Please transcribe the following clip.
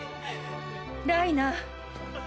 ・ライナー。